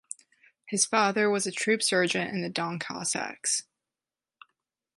His father was a Troop Sergeant in the Don Cossacks.